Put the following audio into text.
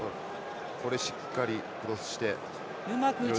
しっかりクロスして。